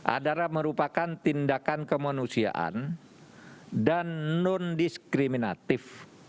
adalah merupakan tindakan kemanusiaan dan non diskriminatif